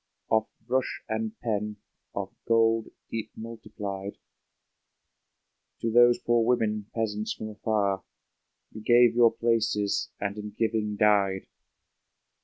Of brush and pen, of gold deep multiplied, To those poor women, peasants from afar. You gave your places, and in giving died